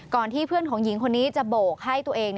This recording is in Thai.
ที่เพื่อนของหญิงคนนี้จะโบกให้ตัวเอง